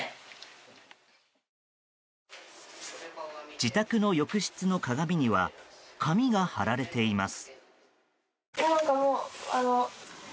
自宅の浴室の鏡には紙が貼られています。